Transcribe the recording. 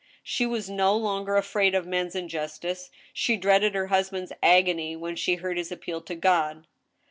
She was no longer afraid of men's injustice, she dreaded her husband's agony when she heard his appeal to God.